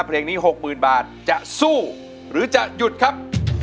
เพลงนี้๖๐๐๐บาทจะสู้หรือจะหยุดครับ